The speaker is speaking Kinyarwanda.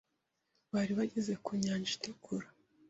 bari bageze ku nyanja itukura